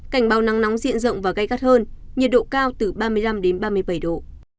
cảnh báo nắng nóng diện rộng và gây gắt hơn nhiệt độ cao từ ba mươi năm đến ba mươi bảy độ